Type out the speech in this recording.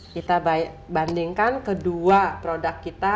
kita bandingkan kedua produk kita